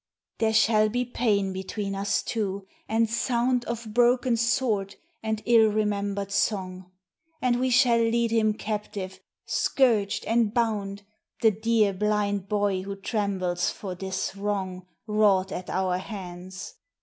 92 AFTER LOVE There shall be pain between us two, and sound Of broken sword and ill remembered song, And we shall lead him captive, scourged and bound, The dear, blind boy who trembles for this wrong Wrought at our hands.